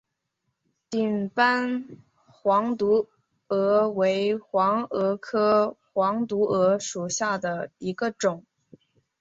顶斑黄毒蛾为毒蛾科黄毒蛾属下的一个种。